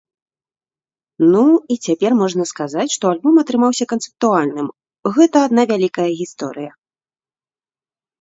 Ну, і цяпер можна сказаць, што альбом атрымаўся канцэптуальным, гэта адна вялікая гісторыя.